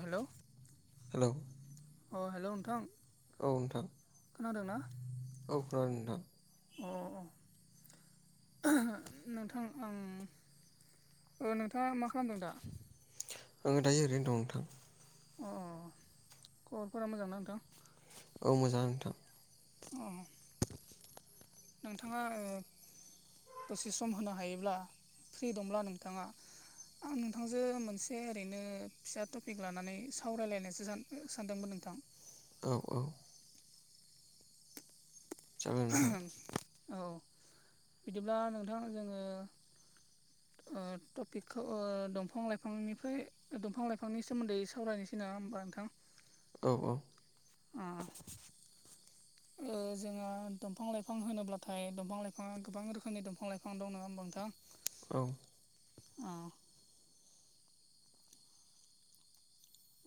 हेल'? Hello अ hello नोंथां? औ नोंथां। खोनादों ना? औ खोनादों नोंथां। अ अ। नोंथां आं ओ नोंथाङा मा खालामदों दा? आङो दायो ओरैनो दं नोंथां। अ खबरफोरा मोजांना नोंथां? औ मोजां नोंथां। अ नोंथाङा ओ दसे सम होनो हायोब्ला फ्रि दंब्ला नोंथाङा? आं नोंथांजो मोनसे ओरैनो फिसा टपिक लानानै सावरायलायनायसो सान सानदोंमोन नोंथां। औ औ। जागोन नोंथां औ बिदिब्ला नोंथां जोङो ओ टपिकखौ ओ दंफां लाइफांनिफ्राय दंफां लाइफां सोमोन्दै सावरायनोसै नङा होमबा नोंथां? औ औ। ओ ओ जोंहा दंफां लाइफां होनोब्लाथाय दंफां लाइफाङा गोबां रोखोमनि दंफां-लाइफां दं नङा होनबा नोंथां? औ अ।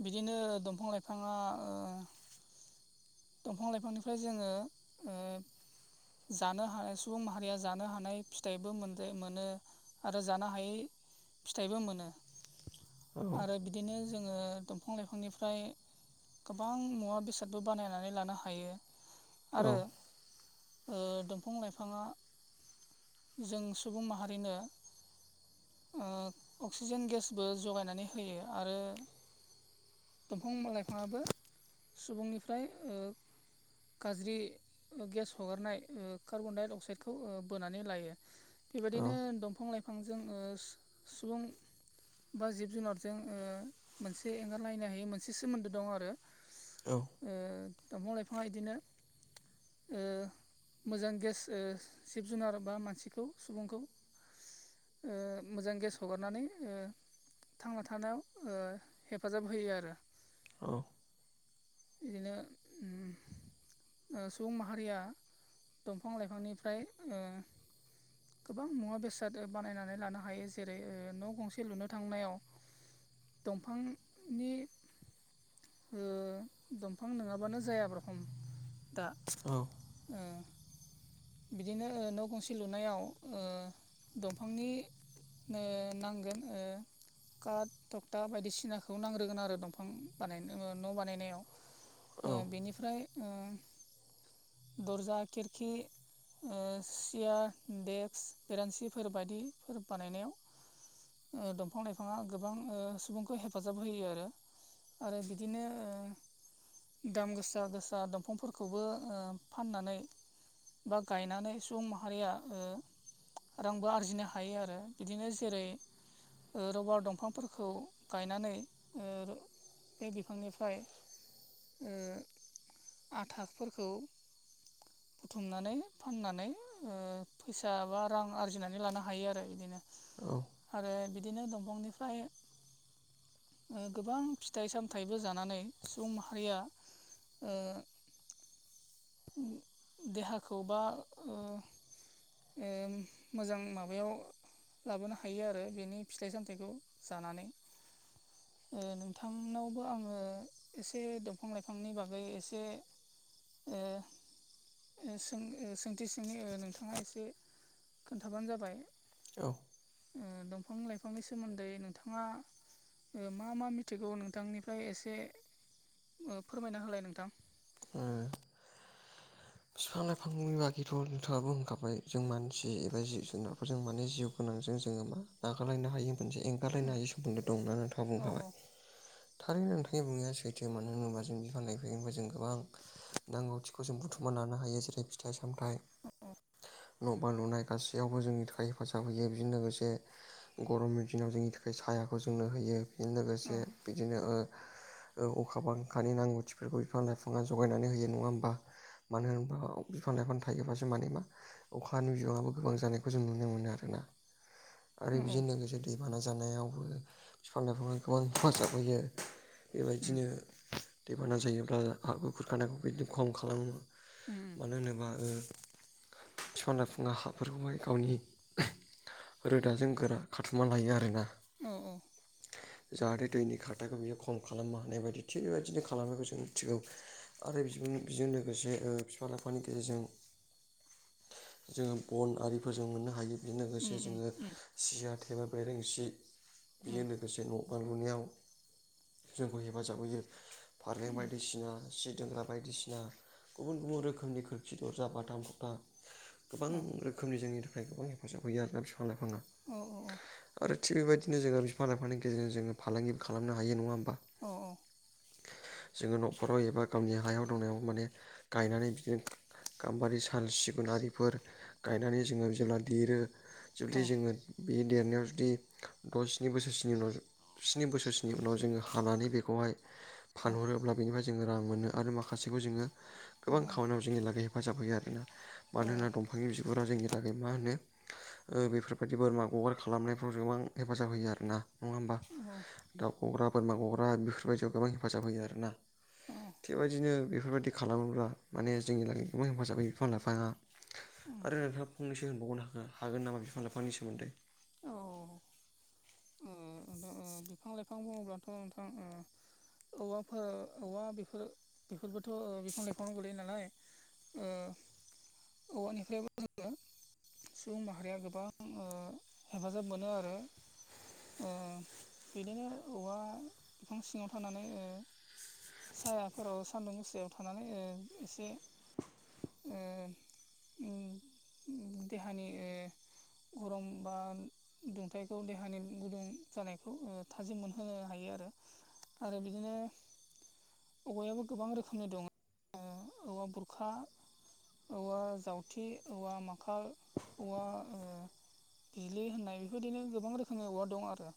बिदिनो दंफां लाइफाङा ओ दंफां लाइफांनिफ्राय जोङो ओ जानो हानाय सुबुं माहारिया जानो हानाय फिथाइबो मोन मोनो। आरो जानो हायै फिथाइबो मोनो औ आरो बिदिनो जोङो दंफां लाइफांनिफ्राय गोबां मुवा बेसादबो बानायनानै लानो हायो। औ आरो ओ दंफां लाइफाङा जों सुबुं माहारिनो ओ अक्सिजेन गेसबो जगायनानै होयो आरो दंफां-लाइफांआबो सुबुंनिफ्राय ओ गाज्रि गेस हगारनाय ओ कार्बन डाइ अक्साइडखौ ओ बोनानै लायो। औ बेबायदिनो दंफां लाइफां बिफांजों ओ सुबुं बा जिब जुनारजों ओ बे एंगारलायनो हायै मोनसे सोमोन्दो दं आरो। औ ओ दंफां लाइफां बिदिनो ओ मोजां गेस ओ जिब जुनार बा मानसिखौ सुबुंखौ ओ मोजां गेस हगारनानै ओ थांना थानायाव ओ हेफाजाब होयो आरो औ बिदिनो उ ओ सुबुं माहारिया दंफां-लाइफांनिफ्राय ओ गोबां मुवा बेसाद बानायनानै लानो हायो जेरै न' गंसे लुनो थांनायाव दंफांनि ओ दंफां नङाबानो जाया रखम दा औ [unintelligible] बिदिनो न' गंसे लुनायाव ओ दंफांनि ओ नांगोन ओ काट टखथा बायदिसिनाखौ नांग्रोगोन आरो दंफां बानायनो न' बानायनायाव ओ बेनिफ्राय ओ दरजा खिरखि ओ सियार देक्स बेरान्सिफोर बायदि बानायनायाव ओ दंफां-लाइफाङा गोबां ओ सुबुंखौ हेफाजाब होयो आरो आरो बिदिनो ओ दाम गोसा गोसा दंफांफोरखौबो ओ फाननानै बा गायनानै सुबुं माहारिया ओ रांबो आरजिनो हायो आरो बिदिनो जेरै ओ रबार दंफांफोरखौ गायनानै ओ बे बिफांनिफ्राय ओ आथाफोरखौ हुमनानै फाननानै ओ फैसा बा रां आरजिनानै लानो हायो आरो बिदिनो औ आरो बिदिनो दंफांनिफ्राय ओ गोबां फिथाइ सामथाइबो जानानै सुबुं माहारिया ओ देहाखौ बा ओ ओ मोजां माबायाव लाबोनो हायो आरो बेनि फिथाइ सामथाइखौ जानानै ओ नोंथांनावबो आङो एसे दंफां-लाइफांनि बागै एसे ओ सों ओ सोंथि सोंनि नोंथाङा एसे खोन्थाबानो जाबाय औ ओ दंफां-लाइफांनि सोमोन्दै नोंथाङा ओ मा मा मिथिगौ नोंथांनिफ्राय एसे ओ फोरमायना होलाय नोंथां ओ [inaudible] बिफां लाइफांनि बागैथ' नोंथाङाबो होनखाबाय जों मानसि एबा जिब जुनारफोर जों माने जिउ गोनांजों जोङो मा नागारलायनो हायि मोनसे एंगारलायनो हायै सोमोन्दो दं होनना नोंथाङा औ औ बुंखाबाय थारै नोंथांनि बुंनाया सैथो मानो होनोबा जों बिफां लाइफायनिफाय जों गोबां नांगौथिखौ जों बुथुमना लानो हायो जेरै फिथाइ सामथायाइ [inaudible] न' बां लुनाय गासैयावबो जोंनि थाखाय हेफाजाब होयो बेजों लोगोसे गरमनि दिनाव जोंनि थाखाय सायाखौ जोंनो होयो बेजों औ लोगोसे बिदिनो ओ ओ अखा बांखानि नांगौथिफोरखौ बिफां-लाइफां बिफाङा जगायनानै होयो नङा होमबा मानो होनबा बिफां-लाइफां थायोबासो माने मा अखानि [unintelligible] बो गोबां जानायखौ जों नुनो मोनो आरोना आरो औ औ बेजों लोगोसे दैबाना जानायावबो बिफां लाइफांआ गोबां हेफाजाब होयो उम बेबायदिनो दैबाना जायोब्ला हा [unintelligible] खुरखानायखौ बिदिनो खम खालामो उम मानो होनोबा ओ फिफां-लाइफांआ हाफोरखौहाय गावनि रोदाजों गोरा खाथुमा लायो आरोना। औ औ। जाहाथे दैनि खारथाखौ बियो खम खालामनो हानाय बायदि थिग बेबायदिनो खालामनायखौ जों मिथिगौ आरो बि बेजों लोगोसे ओ बिफां लाइफानि गेजेरजों जोङो बन आरिफोरजों मोननो हायो। बेजों लोगोसे उम जोङो उम सिया थेबा बेरेंसि बेयो उम नों लोगोसे न' बां लुनायाव जोंखौ हेफाजाब होयो फालें उम उम बायदिसिना सि दाग्रा बायदिसिना गुबुन गुबुन रोखोमनि खोरखि दरजा बाथाम खुथा गोबां औ रोखोमनि जोंनि थाखाय गोबां हेफाजाब होयो आरोना बिफां लाइफां औ औ औ। थिग बेबायदिनो जोङो बिफां लाइफां गेरजों फालांगिबो खालामनो हायो नङा होमबा? अ औ। जोङो न'खराव एबा गावनि हायाव दंनायाव माने गायनानै बिदिनो गाम्बारि साल सिगुनारिफोर गायनानै जोङो जेब्ला देरो जुदि जोङो बे देरनायाव जुदि द' सिनि बोसोरसोनि उनाव सिनि बोसोरसोनि उनाव जोङो हानानै बेखौहाय फानहरोब्ला बेनिफ्राय जोङो रां मोनो आरो माखासेखौ जोङो गोबां खामानियाव जोङो लागाय हेफाजाब होयो आरोना मानो होना दंफांनि बिगुरा जोंनि थाखाय मा होनो बेफोरबायदि बोरमा गग्रा खालामनायफ्राव गोबां हेफाजाब होयो आरोना। नङा होमबा? होम। दाउ गग्रा, बोरमा गग्रा बेफोरबायदियाव गोबां हेफाजाब होयो आरोना। थिगबायदिनो बेफोरबायदि खालामोब्ला माने जोंनि लागै गोबां हेफाजाब होयो बिफां लाइफाङा। आरो नोंथाङा फंनैसो होनबावनो हागोन नामा बिफां लाइफांनि सोमोन्दै? औ। बिफां लाइफां बुङोब्लाथ' नोंथां ओ औवाफोर औवा बेफोर बेफोरबोथ' बिफां लाइफाङाव गोलैयो नालाय। ओ औवानिफ्रायबो जोङो सुबुं माहारिया गोबां ओ हेफाजाब मोनो आरो ओ बिदिनो औवा बिफां सिङाव थानानै ओ सायाफोराव सान्दुं मुस्रायाव थानानै ओ एसे ओ उम देहानि ओ गरम बा दुंथाइखौ देहानि गुदुं जानाय बेखौ थाजिम मोनहोनो हायो आरो आरो बिदिनो औवायाबो गोबां रोखोमनि दं ओ औवा बुरखा औवा जावथि औवा माखाल औवा ओ इदि होननाय बेबायदिनो गोबां रोखोमनि औवा दं आरोना।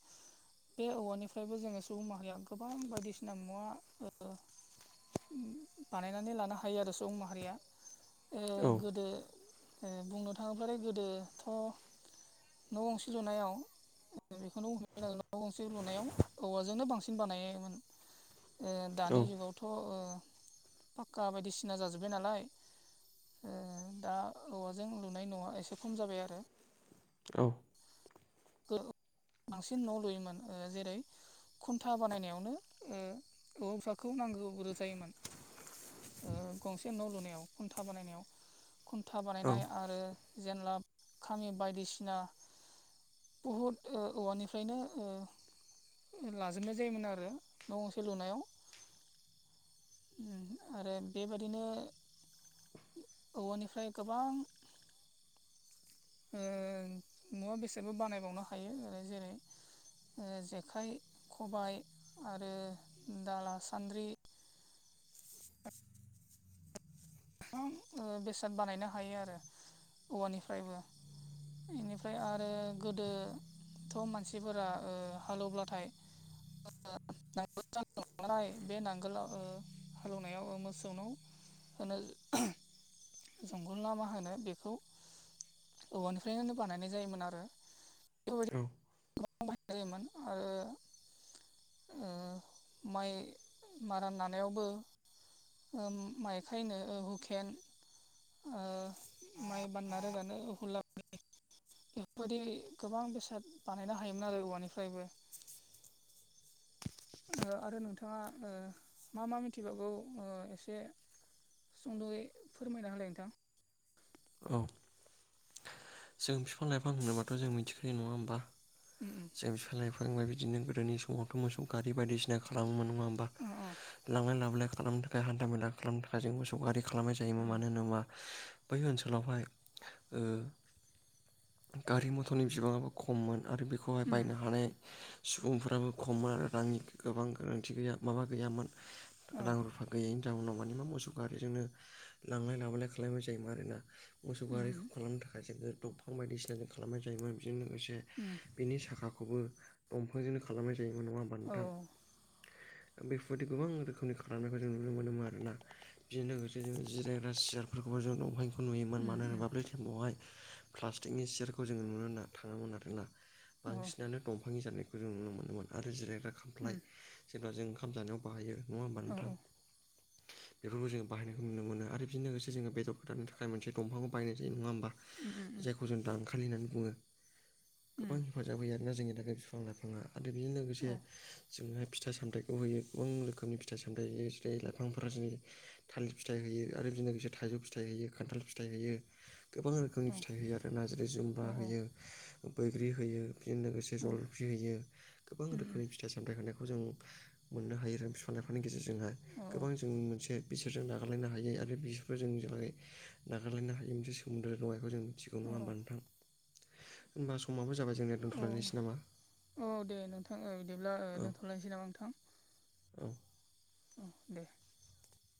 बे औवानिफ्रायबो जोङो सुबुं माहारिया गोबां बायदिसिना मुवा ओ बानायनानै लानो हायो आरो सुबुं माहारिया ओ औ गोदो ओ बुंनो थाङोब्लााय गोदोथ' न' गंसे लुनायाव ओ बेखौनो बुं दिनो न' गंसे लुनायाव औवाजोंनो बांसिन बानायोमोन। ओ औ दानि जुगाव थ' पाक्का बायदिसिना जाजोब्बाय नालाय। ओ दा औवाजों लुनाय न'आ एसे खम जाबाय आरो। औ। बांसिन न' लुयोमोन। ओ जेरै खुन्था बानायनायावनो ओ औवाफोरखौ नांग्रोगौ जायोमोन। ओ गंसे न' लुनायाव खुन्था बानायनायाव। खुन्था औ बानायनाय आरो जेनलाब खामि बायदिसिना बहुद ओ औवानिफ्रायनो ओ लाजोबनाय जायोमोन आरो न' गंसे लुनायाव। आरो बेबादिनो औवानिफ्राय गोबां ओ मुवा बेसादबो बानायबावनो हायो जेरै जेखाइ खबाय आरो दाला सान्द्रि गोबां बेसाद बानायनो हायो आरो औवानिफ्रायबो इनिफ्राय आरो गोदो थ' मानसिफोरा हालेवब्लाथाय [unintelligible] बे नांगोलाव ओ हालौवनायाव मोसौनाव होनो जंगल लामा होनो बेखौ औवानिफ्रायनो बानायनाय जायोमोन आरो बेफोरबायदि उम [inaudible] ओ माइ मारा नायावबो ओ माइ खायनो हुकेन ओ माइ बान्ना रोगानो हुला बेफोरबायदि गोबां बेसाद बानायनो हायोमोन आरो औवानिफ्रायबो आरो नोंथाङा मा मा मिथिबगौ एसे सुंद'यै फोरमायना होलाय नोंथां औ जों बिफां लाइफां होनोबाथ' जों मिथिखायो नङा होमबा उम उम जों बिफां लाइफां बाथ बिदिनो गोदोनि समावथ' मोसौ गारि बायदिसिना खालामोमोन नङा होमबा औ लांलाय लाबोलाय खालामदों बे हान्था मेला खालामनो थाखाय जों मोसौगारि खालामनाय जायोमोन मानो होनोबा बै ओनसोलावहाय गारि मथरनि बिबाङाबो खममोन आरो बे बेखौहाय बायनो हानाय सुबुंफ्राबो खममोन आरो रांनि गोबां गोनांथि गैया माबा गैयामोन रां रुफा गैयैनि जाउनाव मानि मा मोसौ गारिजोंनो लांलाय लाबोलाय खालामबाय जायोमोन आरोना मोसौ गआारिखौ खालामनो थाखाय जोङो दंफां बायदिसिना जों खालामनाय जायोमोन बेजों लोगोसे उम बिनि साखाखौबो दंफांजोंनो खालामनाय जायोमोन नङा होमबा नोंथां बेफोरबायदि गोबां रोखोमनि खालामनायखौ जों नुनो मोनोमोन आरोना बेजों लोगोसे जोङो जिरायग्रा सियारफोरखौबो जों दंफांखौ नुयोम मानो होनोबा ब्रै टाइमावहाय प्लास्टिकनि सियारखौ जोङो नुनो होनना थाङोमोन आरोना बांसिनानो दंफांनि जानायखौ जों नुनो मोनोमोन आरो जिरायग्रा खामफ्लाय जेब्ला जों ओंखाम जानायाव बाहायो नङा होमबा नोंथां बेफोरखौ जोङो बाहायनायखौ नुनो मोनो आरो बेजों लोगोसे जोङो बेदर गोदारनो थाखाय मोनसे दंफांखौ बायनाय जायो नङा होमबा जायखौ जों दानखालि होननानै बुङो गोबां हेफाजाब होयो आरोना जोंनि थाखाय बिफां लाइफाङा आरो बेजों लोगोसे जोंह फिथा सामथायाइखौ होहैयो गोबां रोखोमनि फिथाइ सामथायाइ जेरै लाइफांफोरा जेरै थालिर फिथाइ होयो आरो बिनो लोगोसे थाइजौ फिथाइ होयो खान्थाल फिथाइ होयो गोबां रोखोम रखोमनि फिथाइ होयो आरो नारजि जुम्बा होयो बैग्रि होयो बेजों लोगोसे फिेजलफि होयो गोबां रोखोमनि फिथाइ सामथाइ होनायखौ जों मोननो हायो आरो सामायफोरनि गेजेरजोंहाय गोबां जों मोनसे बिसोरजों नागारलायनो हायो आरो बिसोरखौ जों जेाय नागारलायनो हायो मोनसे सोमोनद्र दंनायखौ जों मिथिगौ औ नङा होमबा नोंथां होनोमबा समाबो जाबाय जोंनिया औ दोन्थ'लायनायसै नामा औ दे नोंथां बिदिब्ला औ दोनथ'लायनोसै नामा नोंथां औ दे